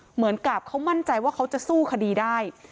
เหมือนกับเขามั่นใจว่าเขาจะสู้คดีได้